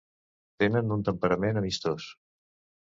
Tenen un temperament amistós.